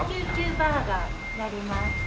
バーガーになります。